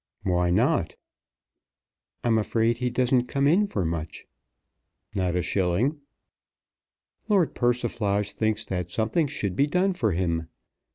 "Why not?" "I'm afraid he doesn't come in for much?" "Not a shilling." "Lord Persiflage thinks that something should be done for him.